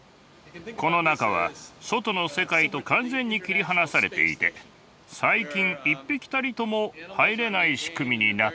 この中は外の世界と完全に切り離されていて細菌一匹たりとも入れない仕組みになっています。